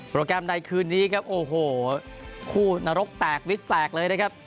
แกรมในคืนนี้ครับโอ้โหคู่นรกแตกวิทย์แตกเลยนะครับ